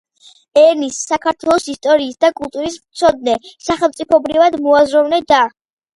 ენის, საქართველოს ისტორიის და კულტურის მცოდნე, სახელმწიფოებრივად მოაზროვნე და